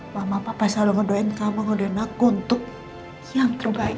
mama papa selalu ngedoin kamu ngedoin aku untuk yang terbaik